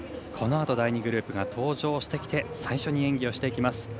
このあと、第２グループが登場してきて最初に演技をしていきます。